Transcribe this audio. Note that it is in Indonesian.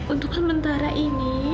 untuk sementara ini